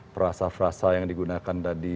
frasa frasa yang digunakan tadi